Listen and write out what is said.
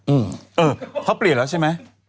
เออเขาเปลี่ยนแล้วใช่ไหม